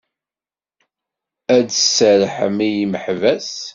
Ad d-tserrḥem i yimeḥbas.